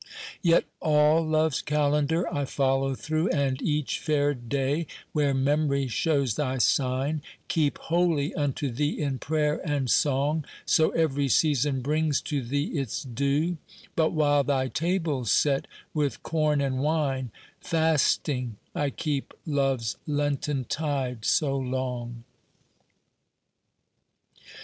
Yet all Love's calendar I follow through, And each fair day, where memory shows thy sign, Keep holy unto thee in prayer and song; So every season brings to thee its due; But, while thy table's set with corn and wine, Fasting I keep Love's Lenten tide so long.